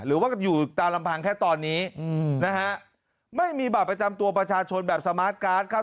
หรือว่าอยู่ตามลำพังแค่ตอนนี้อืมนะฮะไม่มีบัตรประจำตัวประชาชนแบบสมาร์ทการ์ดครับ